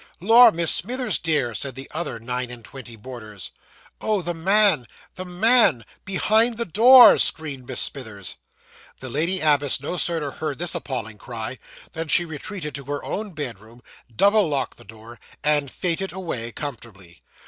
'Lor, Miss Smithers, dear,' said the other nine and twenty boarders. 'Oh, the man the man behind the door!' screamed Miss Smithers. The lady abbess no sooner heard this appalling cry, than she retreated to her own bedroom, double locked the door, and fainted away comfortably.